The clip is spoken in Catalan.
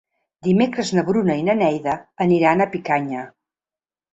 Dimecres na Bruna i na Neida aniran a Picanya.